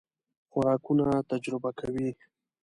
خوراکونه تجربه کوئ؟